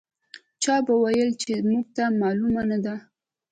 چا به ویل چې موږ ته معلومه نه ده.